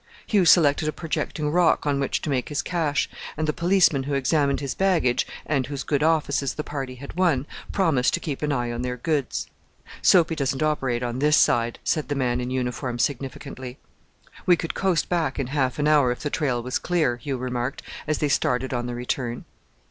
Hugh selected a projecting rock on which to make his cache, and the policeman who examined his baggage, and whose good offices the party had won, promised to keep an eye on their goods. "Soapy doesn't operate on this side," said the man in uniform significantly. "We could coast back in half an hour if the trail was clear," Hugh remarked, as they started on the return.